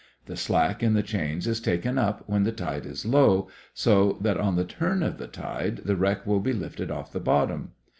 The slack in the chains is taken up when the tide is low, so that on the turn of the tide the wreck will be lifted off the bottom.